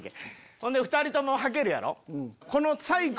ほんで２人ともはけるやろ。